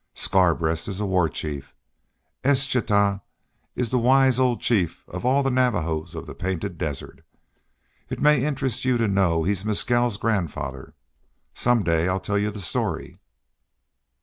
Scarbreast is a war chief. Eschtah is the wise old chief of all the Navajos on the Painted Desert. It may interest you to know he is Mescal's grandfather. Some day I'll tell you the story."